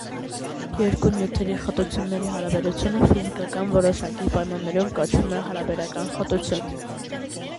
Երկու նյութերի խտությունների հարաբերությունը ֆիզիկական որոշակի պայմաններում կոչվում է հարաբերական խտություն։